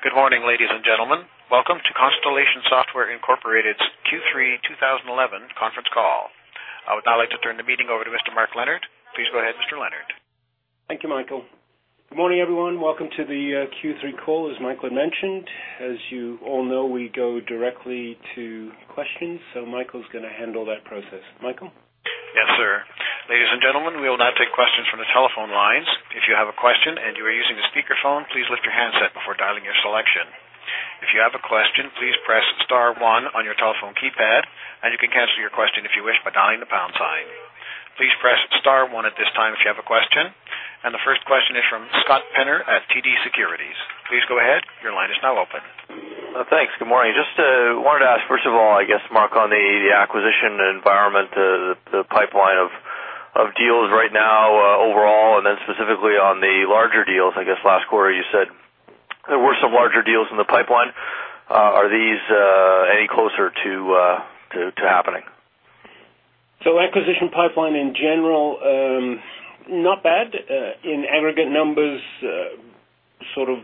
Good morning, ladies and gentlemen. Welcome to Constellation Software Incorporated's Q3 2011 Conference Call. I would now like to turn the meeting over to Mr. Mark Leonard. Please go ahead, Mr. Leonard. Thank you, Michael. Good morning, everyone. Welcome to the Q3 call, as Michael had mentioned. As you all know, we go directly to questions, so Michael is going to handle that process. Michael? Yes, sir. Ladies and gentlemen, we will now take questions from the telephone line. If you have a question and you are using a speaker phone, please lift your handset before dialing your selection. If you have a question, please press Star, one on your telephone keypad, and you can cancel your question if you wish by dialing the pound sign. Please press Star, one at this time if you have a question. The first question is from Scott Penner at TD Securities. Please go ahead, your line is now open. Good morning. I just wanted to ask, first of all, I guess, Mark, on the acquisition environment, the pipeline of deals right now overall, and then specifically on the larger deals. I guess last quarter you said there were some larger deals in the pipeline. Are these any closer to happening? The acquisition pipeline in general, not bad. In aggregate numbers, sort of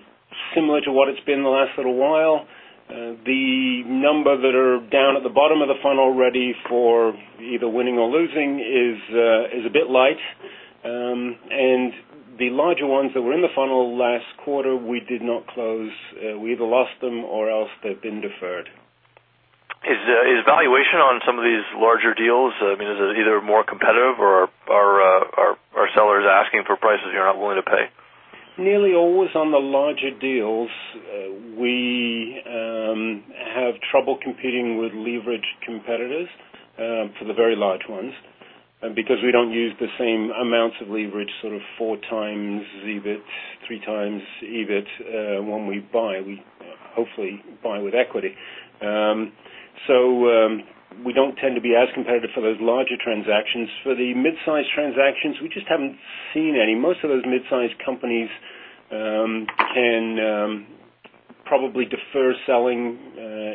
similar to what it's been the last little while. The number that are down at the bottom of the funnel ready for either winning or losing is a bit light. The larger ones that were in the funnel last quarter, we did not close. We either lost them or else they've been deferred. Is the valuation on some of these larger deals, I mean, is it either more competitive, or are sellers asking for prices you're not willing to pay? Nearly always on the larger deals, we have trouble competing with leveraged competitors for the very large ones. Because we don't use the same amounts of leverage, sort of 4x EBIT, 3x EBITDA, when we buy, we hopefully buy with equity. We don't tend to be as competitive for those larger transactions. For the mid-sized transactions, we just haven't seen any. Most of those mid-sized companies can probably defer selling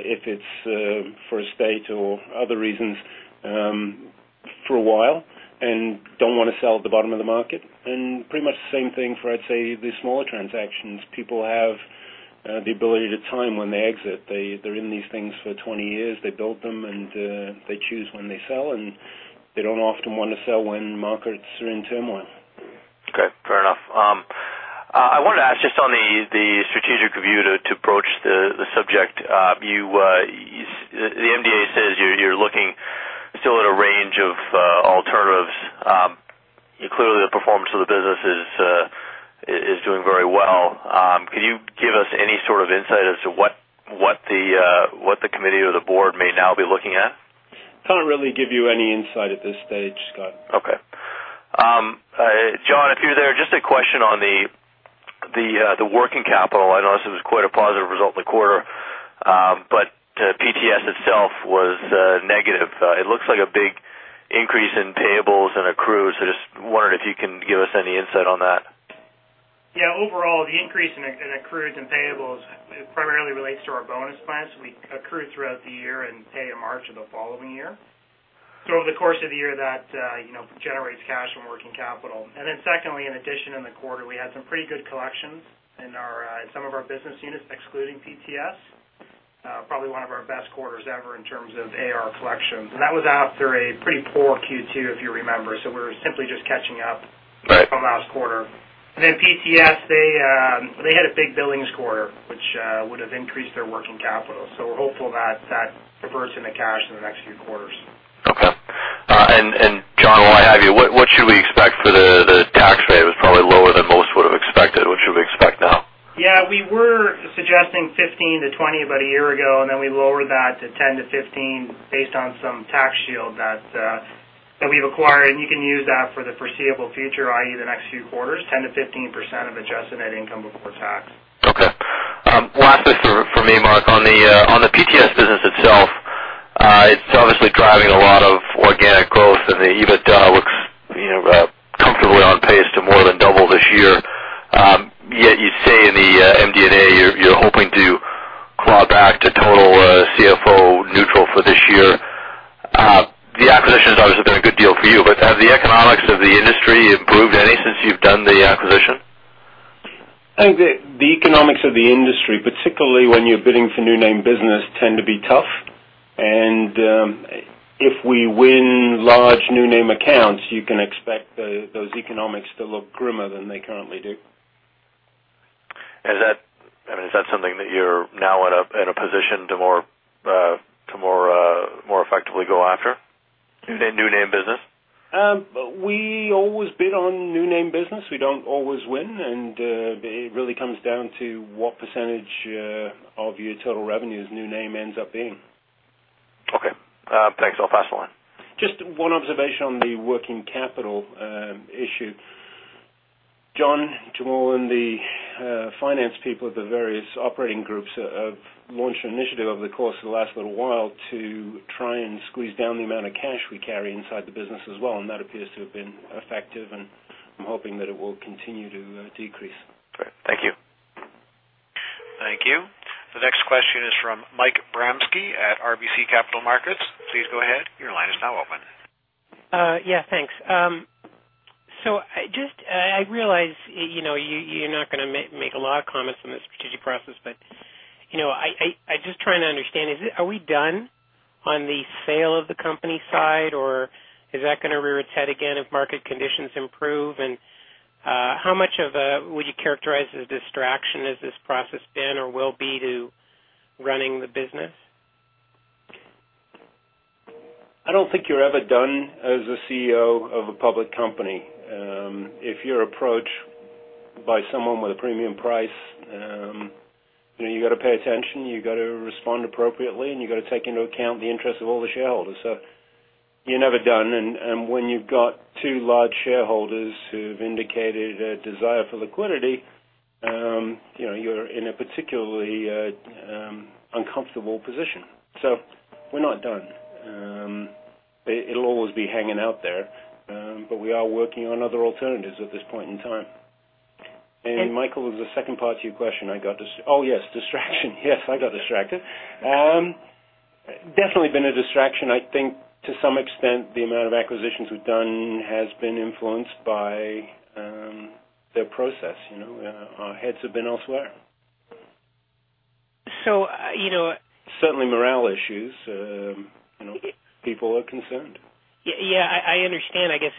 if it's for estate or other reasons for a while and don't want to sell at the bottom of the market. Pretty much the same thing for, I'd say, the smaller transactions. People have the ability to time when they exit. They're in these things for 20 years. They built them and they choose when they sell. They don't often want to sell when markets are in turmoil. Okay. Fair enough. I wanted to ask just on the strategic view to approach the subject. The MDA says you're looking still at a range of alternatives. You clearly, the performance of the business is doing very well. Could you give us any sort of insight as to what the committee or the board may now be looking at? Can't really give you any insight at this stage, Scott. Okay. John, if you're there, just a question on the working capital. I know this is quite a positive result in the quarter, but PTS itself was negative. It looks like a big increase in payables and accrued. I just wondered if you can give us any insight on that. Yeah. Overall, the increase in accrued and payables primarily relates to our bonus plans. We accrue throughout the year and pay in March of the following year. Over the course of the year, that generates cash from working capital. In addition, in the quarter, we had some pretty good collections in some of our business units, excluding PTS. Probably one of our best quarters ever in terms of AR collections. That was after a pretty poor Q2, if you remember. We were simply just catching up from last quarter. PTS had a big billings quarter, which would have increased their working capital. We're hopeful that converts into cash in the next few quarters. Okay. John, while I have you, what should we expect for the tax pay? It's probably lower than most would have expected. What should we expect now? Yeah. We were suggesting 15%-20% about a year ago, and then we lowered that to 10%-15% based on some tax shield that we've acquired. You can use that for the foreseeable future, i.e., the next few quarters, 10%-15% of adjusted net income before tax. Okay. Last thing for me, Mark. On the PTS business itself, it's obviously driving a lot of organic growth, and the EBITDA looks, you know, comfortably on pace to more than double this year. Yet you'd say in the MD&A, you're hoping to fly back to total CFO neutral for this year. The acquisition has obviously been a good deal for you, but have the economics of the industry improved any since you've done the acquisition? I think that the economics of the industry, particularly when you're bidding for new name business, tend to be tough. If we win large new name accounts, you can expect those economics to look grimmer than they currently do. Is that something that you're now in a position to more effectively go after, the new name business? We always bid on new name business. We don't always win, and it really comes down to what percentage of your total revenues new name ends up being. Okay, thanks. I'll pass the line. Just one observation on the working capital issue. John, and the finance people at the various operating groups have launched an initiative over the course of the last little while to try and squeeze down the amount of cash we carry inside the business as well. That appears to have been effective, and I'm hoping that it will continue to decrease. Great. Thank you. Thank you. The next question is from Mike Bramsky at RBC Capital Markets. Please go ahead. Your line is now open. Thank you. I realize you know you're not going to make a lot of comments on the strategic process, but I'm just trying to understand, is it, are we done on the sale of the company side, or is that going to rear its head again if market conditions improve? How much would you characterize as a distraction has this process been or will be to running the business? I don't think you're ever done as a CEO of a public company. If you're approached by someone with a premium price, you know, you got to pay attention. You got to respond appropriately, and you got to take into account the interests of all the shareholders. You're never done. When you've got two large shareholders who've indicated a desire for liquidity, you know you're in a particularly uncomfortable position. We're not done. It'll always be hanging out there. We are working on other alternatives at this point in time. Michael, there's a second part to your question. I got to, oh, yes, distraction. Yes, I got distracted. Definitely been a distraction. I think to some extent, the amount of acquisitions we've done has been influenced by their process. Our heads have been elsewhere. You know. Certainly, morale issues. You know, people are concerned. Yeah, I understand. I guess,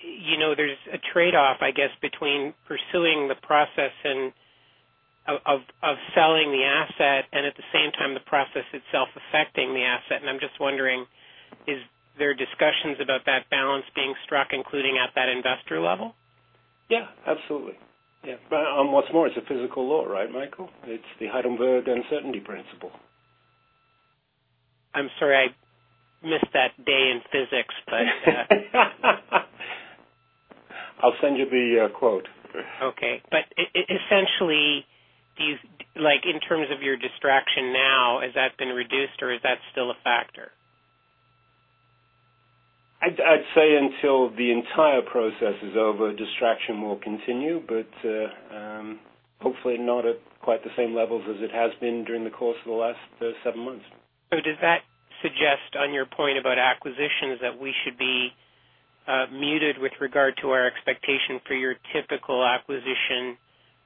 you know, there's a trade-off between pursuing the process of selling the asset and, at the same time, the process itself affecting the asset. I'm just wondering, is there discussions about that balance being struck, including at that investor level? Yeah. Absolutely. It's a physical law, right, Michael? It's the Heisenberg Uncertainty Principle. I'm sorry, I missed that day in physics. I'll send you the quote. Okay. Essentially, these like in terms of your distraction now, has that been reduced, or is that still a factor? I'd say until the entire process is over, distraction will continue, but hopefully not at quite the same levels as it has been during the course of the last seven months. Does that suggest, on your point about acquisitions, that we should be muted with regard to our expectation for your typical acquisition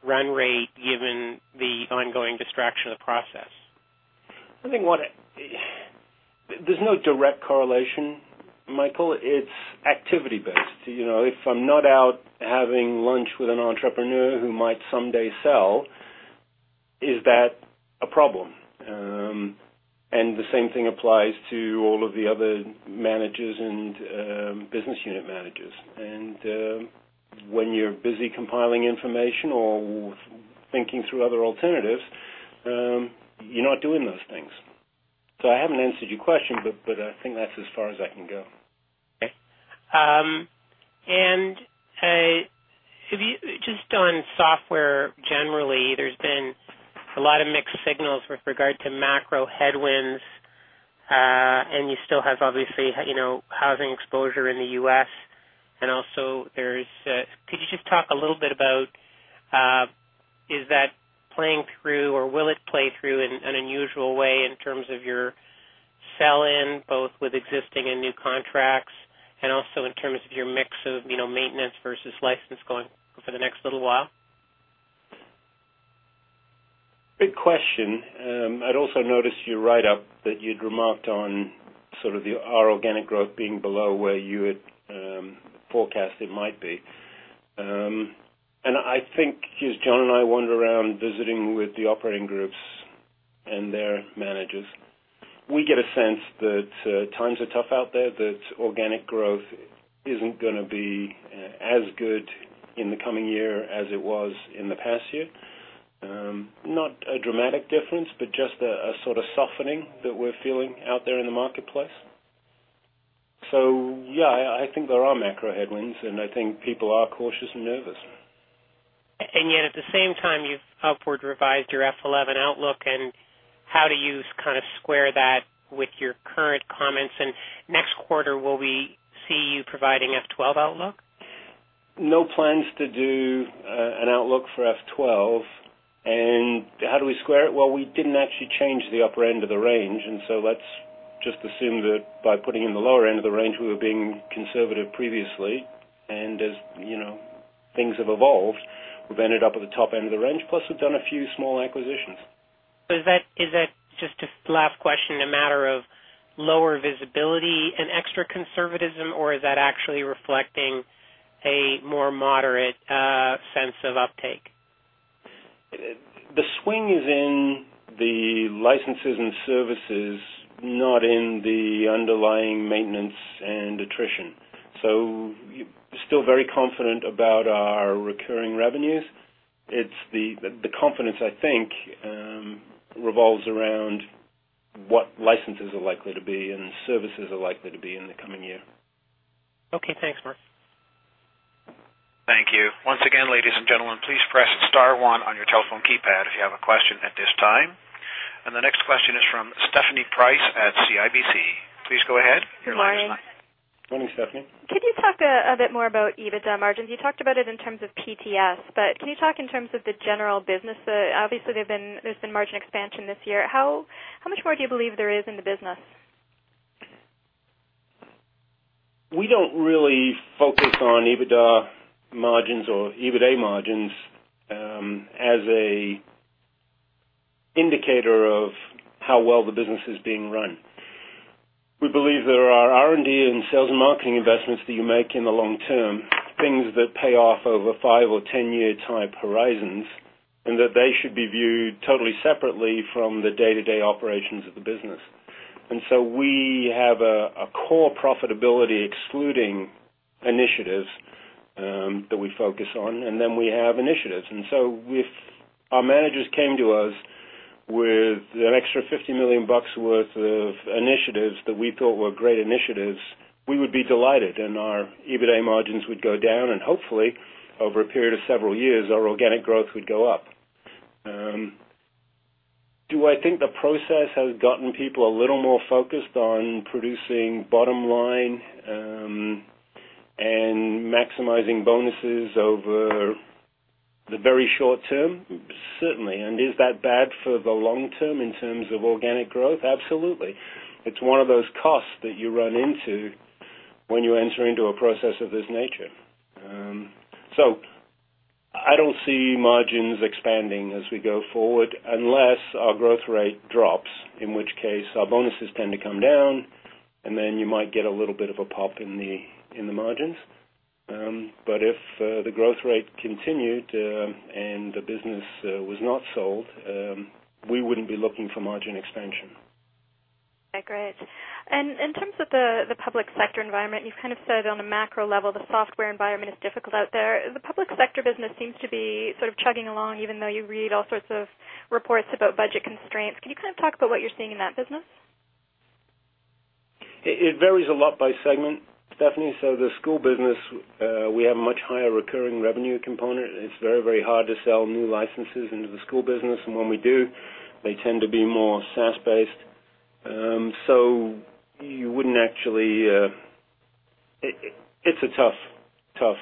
run rate given the ongoing distraction of the process? I think there's no direct correlation, Michael. It's activity-based. You know, if I'm not out having lunch with an entrepreneur who might someday sell, is that a problem? The same thing applies to all of the other managers and business unit managers. When you're busy compiling information or thinking through other alternatives, you're not doing those things. I haven't answered your question, but I think that's as far as I can go. Okay, have you, just on software generally, there's been a lot of mixed signals with regard to macro-economic headwinds, and you still have obviously, you know, housing exposure in the U.S. Also, could you just talk a little bit about, is that playing through or will it play through in an unusual way in terms of your sell-in, both with existing and new contracts, and also in terms of your mix of, you know, maintenance versus license going for the next little while? Good question. I also noticed your write-up that you remarked on our organic growth being below where you had forecast it might be. I think, as John and I wander around visiting with the operating groups and their managers, we get a sense that times are tough out there, that organic growth isn't going to be as good in the coming year as it was in the past year. Not a dramatic difference, but just a sort of softening that we're feeling out there in the marketplace. I think there are macro-economic headwinds, and I think people are cautious and nervous. Yet at the same time, you've upward revised your F2011 outlook. How do you kind of square that with your current comments? Next quarter, will we see you providing F2012 outlook? no plans to do an outlook for F2012. How do we square it? We didn't actually change the upper end of the range. Let's just assume that by putting in the lower end of the range, we were being conservative previously. As things have evolved, we've ended up at the top end of the range. Plus, we've done a few small acquisitions. Is that just a matter of lower visibility and extra conservatism, or is that actually reflecting a more moderate sense of uptake? The swing is in the licenses and services, not in the underlying maintenance and attrition. We're still very confident about our recurring revenues. The confidence, I think, revolves around what licenses are likely to be and services are likely to be in the coming year. Okay. Thanks, Mark. Thank you. Once again, ladies and gentlemen, please press Star, one on your telephone keypad if you have a question at this time. The next question is from Stephanie Price at CIBC. Please go ahead. Good morning. Morning, Stephanie. Could you talk a bit more about EBITDA margins? You talked about it in terms of PTS, but can you talk in terms of the general business? Obviously, there's been margin expansion this year. How much more do you believe there is in the business? We don't really focus on EBITDA margins as an indicator of how well the business is being run. We believe there are R&D and sales and marketing investments that you make in the long term, things that pay off over 5 or 10-year type horizons, and that they should be viewed totally separately from the day-to-day operations of the business. We have a core profitability excluding initiatives that we focus on, and then we have initiatives. If our managers came to us with an extra $50 million worth of initiatives that we thought were great initiatives, we would be delighted, and our EBITDA margins would go down, and hopefully, over a period of several years, our organic growth would go up. Do I think the process has gotten people a little more focused on producing bottom line and maximizing bonuses over the very short term? Certainly and is that bad for the long term in terms of organic growth? Absolutely. It's one of those costs that you run into when you enter into a process of this nature. I don't see margins expanding as we go forward unless our growth rate drops, in which case our bonuses tend to come down, and then you might get a little bit of a pop in the margins. If the growth rate continued and the business was not sold, we wouldn't be looking for margin expansion. Great. In terms of the public sector environment, you've kind of said on a macro level the software environment is difficult out there. The public sector business seems to be sort of chugging along, even though you read all sorts of reports about budget constraints. Can you kind of talk about what you're seeing in that business? It varies a lot by segment, Stephanie. The school business has a much higher recurring revenue component. It's very, very hard to sell new licenses into the school business, and when we do, they tend to be more SaaS-based. You wouldn't actually, it's a tough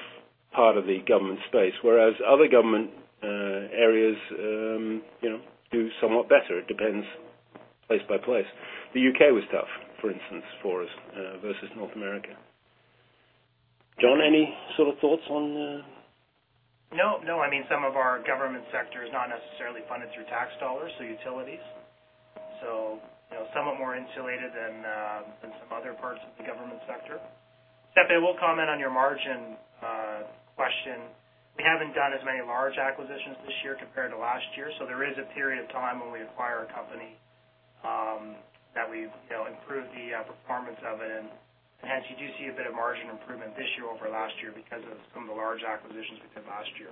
part of the government space. Other government areas do somewhat better. It depends place by place. The U.K., was tough, for instance, for us versus North America. John, any sort of thoughts on? No, no. I mean, some of our government sector is not necessarily funded through tax dollars, so utilities. You know some are more insulated than some other parts of the government sector. Stephanie, I will comment on your margin question. We haven't done as many large acquisitions this year compared to last year. There is a period of time when we acquire a company that we've improved the performance of it. Hence, you do see a bit of margin improvement this year over last year because of some of the large acquisitions we did last year.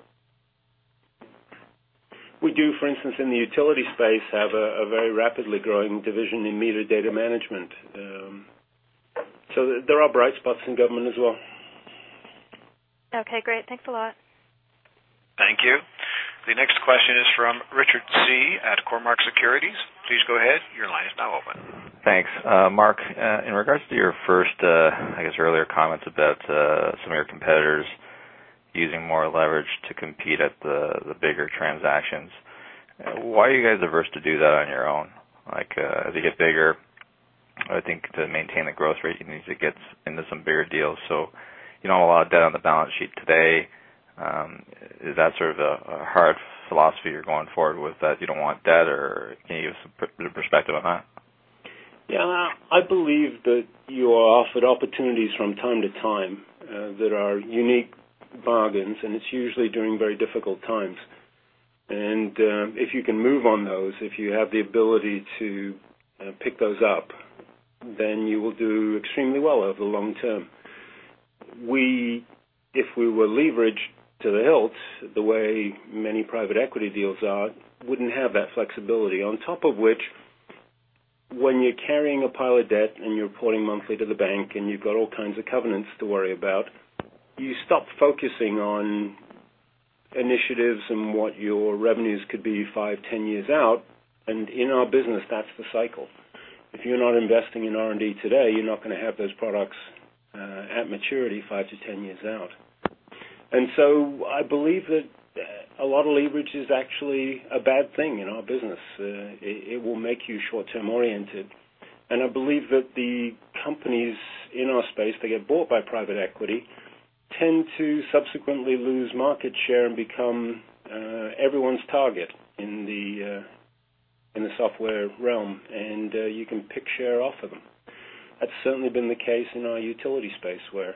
We do, for instance, in the utility space, have a very rapidly growing division in meter data management. There are bright spots in government as well. Okay, great. Thanks a lot. Thank you. The next question is from Richard C. at Cormark Securities. Please go ahead. Your line is now open. Thanks. Mark, in regards to your earlier comments about some of your competitors using more leverage to compete at the bigger transactions, why are you guys the first to do that on your own? Like, as you get bigger, I think to maintain the growth rate, you need to get into some bigger deals. You don't allow debt on the balance sheet today. Is that sort of a hard philosophy you're going forward with, that you don't want debt, or any perspective on that? Yeah. I believe that you are offered opportunities from time to time that are unique bargains, and it's usually during very difficult times. If you can move on those, if you have the ability to pick those up, then you will do extremely well over the long term. If we were leveraged to the hilt the way many private equity deals are, we wouldn't have that flexibility. On top of which, when you're carrying a pile of debt and you're reporting monthly to the bank and you've got all kinds of covenants to worry about, you stop focusing on initiatives and what your revenues could be 5, 10 years out. In our business, that's the cycle. If you're not investing in R&D today, you're not going to have those products at maturity 5-10 years out. I believe that a lot of leverage is actually a bad thing in our business. It will make you short-term oriented. I believe that the companies in our space that get bought by private equity tend to subsequently lose market share and become everyone's target in the software realm. You can pick share off of them. That's certainly been the case in our utility space where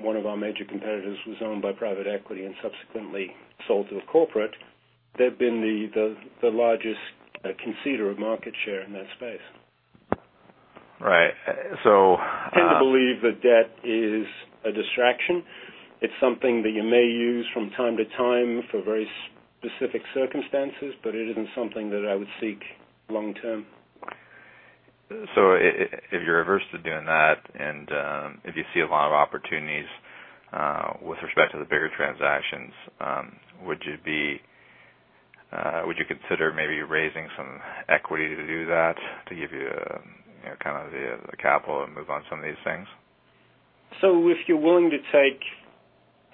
one of our major competitors was owned by private equity and subsequently sold to a corporate. They've been the largest conceder of market share in that space. Right. So. I believe that debt is a distraction. It's something that you may use from time to time for very specific circumstances, but it isn't something that I would seek long term. If you're averse to doing that, and if you see a lot of opportunities with respect to the bigger transactions, would you consider maybe raising some equity to do that to give you, you know, kind of the capital to move on some of these things? If you're willing to take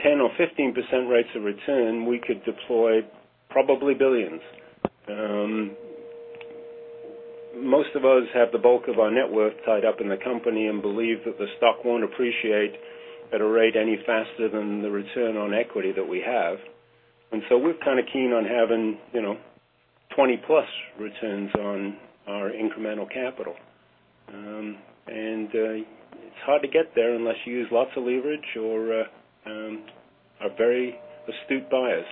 10% or 15% rates of return, we could deploy probably billions. Most of us have the bulk of our net worth tied up in the company and believe that the stock won't appreciate at a rate any faster than the return on equity that we have. We're kind of keen on having, you know, 20-plus returns on our incremental capital. It's hard to get there unless you use lots of leverage or are very astute buyers.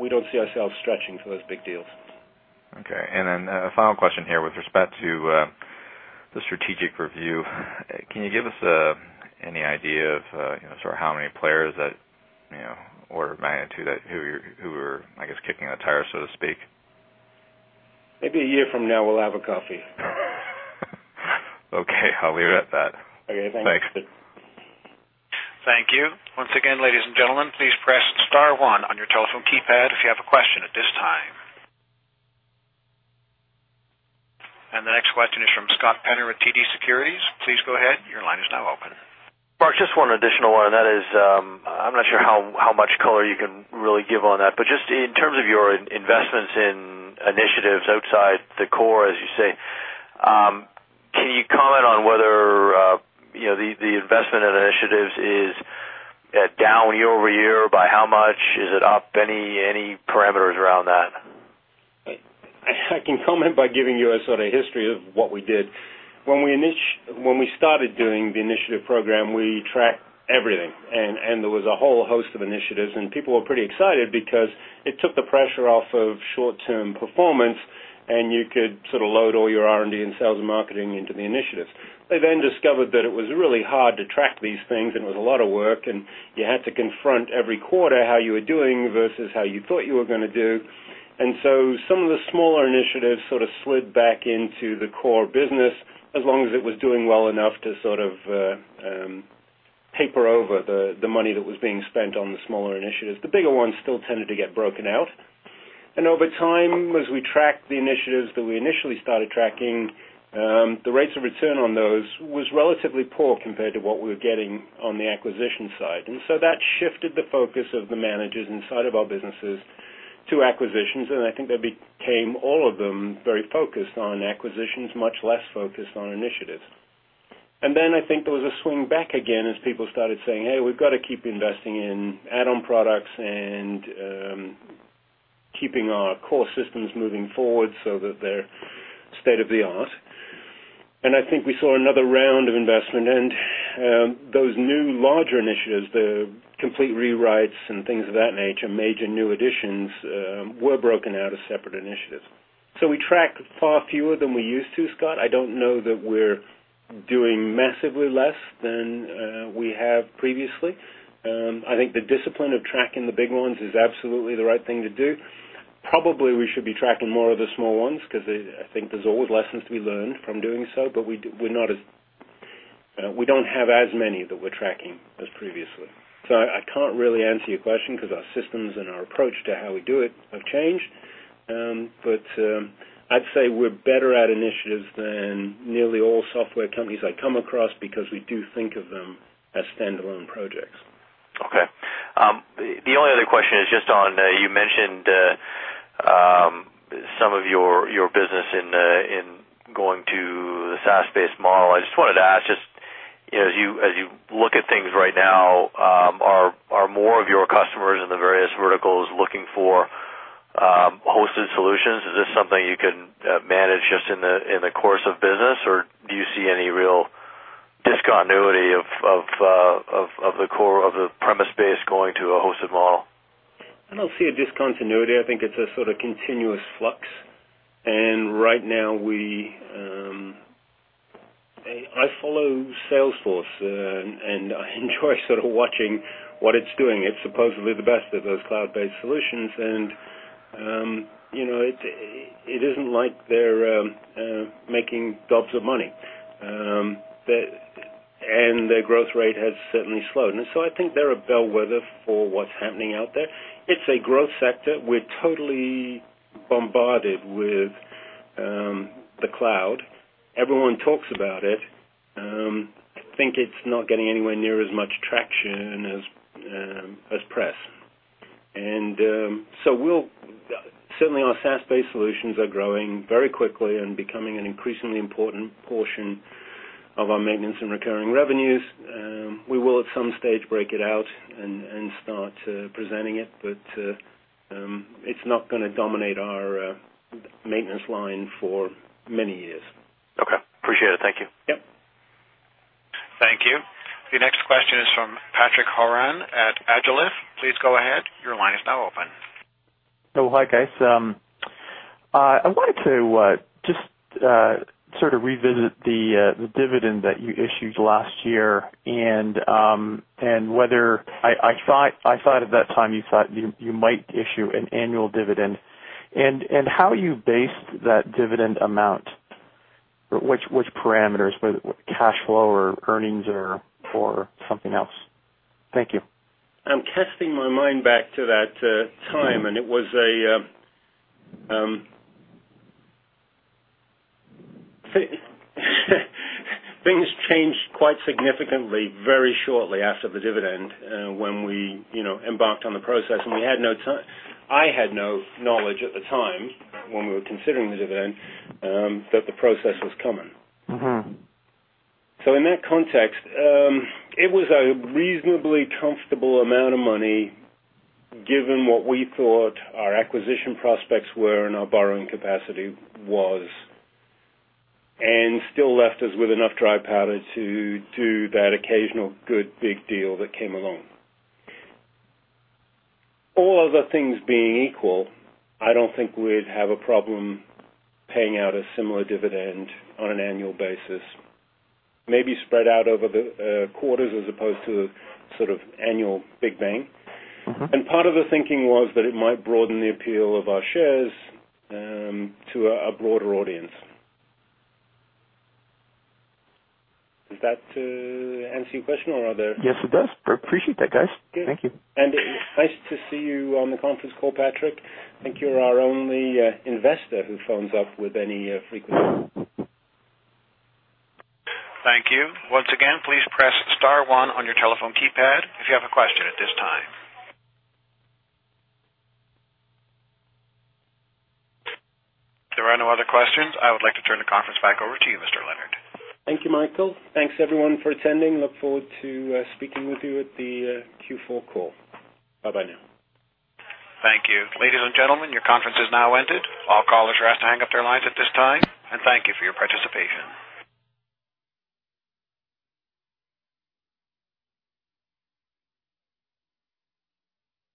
We don't see ourselves stretching for those big deals. Okay. A final question here with respect to the strategic review. Can you give us any idea of, you know, sort of how many players that, you know, order of magnitude that who are, I guess, kicking the tires, so to speak? Maybe a year from now, we'll have a coffee. Okay, I'll leave it at that. Okay. Thanks. Thanks. Thank you. Once again, ladies and gentlemen, please press Star, one on your telephone keypad if you have a question at this time. The next question is from Scott Penner at TD Securities. Please go ahead. Your line is now open. Mark, just one additional one. I'm not sure how much color you can really give on that, but just in terms of your investments in initiatives outside the core, as you say, can you comment on whether the investment in initiatives is down year over year by how much? Is it up? Any parameters around that? I can comment by giving you a sort of history of what we did. When we started doing the initiative program, we tracked everything. There was a whole host of initiatives, and people were pretty excited because it took the pressure off of short-term performance, and you could sort of load all your R&D and sales and marketing into the initiatives. They then discovered that it was really hard to track these things, and it was a lot of work, and you had to confront every quarter how you were doing versus how you thought you were going to do. Some of the smaller initiatives sort of slid back into the core business as long as it was doing well enough to paper over the money that was being spent on the smaller initiatives. The bigger ones still tended to get broken out. Over time, as we tracked the initiatives that we initially started tracking, the rates of return on those were relatively poor compared to what we were getting on the acquisition side. That shifted the focus of the managers inside of our businesses to acquisitions. I think they became, all of them, very focused on acquisitions, much less focused on initiatives. I think there was a swing back again as people started saying, "Hey, we've got to keep investing in add-on products and keeping our core systems moving forward so that they're state of the art." I think we saw another round of investment, and those new larger initiatives, the complete rewrites and things of that nature, major new additions, were broken out as separate initiatives. We track far fewer than we used to, Scott. I don't know that we're doing massively less than we have previously. I think the discipline of tracking the big ones is absolutely the right thing to do. Probably we should be tracking more of the small ones because I think there's old lessons to be learned from doing so, but we don't have as many that we're tracking as previously. I can't really answer your question because our systems and our approach to how we do it have changed. I'd say we're better at initiatives than nearly all software companies I come across because we do think of them as standalone projects. Okay. The only other question is just on, you mentioned, some of your business in going to the SaaS-based model. I just wanted to ask, as you look at things right now, are more of your customers in the various verticals looking for hosted solutions? Is this something you can manage just in the course of business, or do you see any real discontinuity of the core of the premise base going to a hosted model? I don't see a discontinuity. I think it's a sort of continuous flux. Right now, I follow Salesforce, and I enjoy sort of watching what it's doing. It's supposedly the best of those cloud-based solutions, and, you know, it isn't like they're making gobs of money. Their growth rate has certainly slowed. I think they're a bellwether for what's happening out there. It's a growth sector. We're totally bombarded with the cloud. Everyone talks about it. I think it's not getting anywhere near as much traction as press. Our SaaS-based solutions are growing very quickly and becoming an increasingly important portion of our maintenance and recurring revenues. We will at some stage break it out and start presenting it, but it's not going to dominate our maintenance line for many years. Okay. Appreciate it. Thank you. Yep. Thank you. The next question is from Patrick Horan at Agilif. Please go ahead. Your line is now open. Oh, hi, guys. I wanted to revisit the dividend that you issued last year and whether I thought at that time you thought you might issue an annual dividend, and how you based that dividend amount, which parameters, whether cash flow or earnings or something else. Thank you. I'm casting my mind back to that time, and things changed quite significantly very shortly after the dividend, when we embarked on the process. I had no knowledge at the time when we were considering the dividend that the process was coming. In that context, it was a reasonably comfortable amount of money given what we thought our acquisition prospects were and our borrowing capacity was, and still left us with enough dry powder to do that occasional good big deal that came along. All other things being equal, I don't think we'd have a problem paying out a similar dividend on an annual basis, maybe spread out over the quarters as opposed to the annual big bang. Part of the thinking was that it might broaden the appeal of our shares to a broader audience. Does that answer your question, or are there? Yes, it does. I appreciate that, guys. Thank you. Nice to see you on the conference call, Patrick. I think you're our only investor who phones up with any frequency. Thank you. Once again, please press Star, one on your telephone keypad if you have a question at this time. If there are no other questions, I would like to turn the conference back over to you, Mr. Leonard. Thank you, Michael. Thanks, everyone, for attending. Look forward to speaking with you at the Q4 call. Bye-bye now. Thank you. Ladies and gentlemen, your conference is now ended. All callers are asked to hang up their lines at this time, and thank you for your participation.